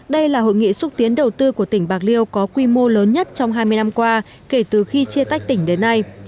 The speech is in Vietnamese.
đây là hội nghị xúc tiến đầu tư của tỉnh bạc liêu có quy mô lớn nhất trong hai mươi năm qua kể từ khi chia tách tỉnh đến nay